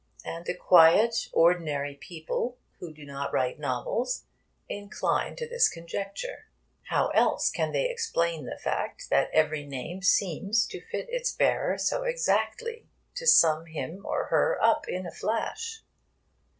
And the quiet ordinary people, who do not write novels, incline to his conjectures. How else can they explain the fact that every name seems to fit its bearer so exactly, to sum him or her up in a flash?